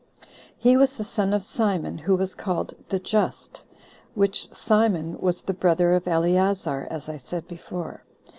He was the son of Simon, who was called The Just: which Simon was the brother of Eleazar, as I said before.